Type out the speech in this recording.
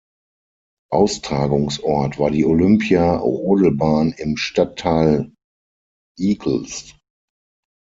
Austragungsort war die Olympia-Rodelbahn im Stadtteil Igls.